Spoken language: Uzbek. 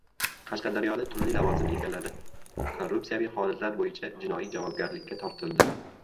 Qashqadaryoda turli lavozim egalari korrupsiyaviy holatlar bo‘yicha jinoiy javobgarlikka tortildi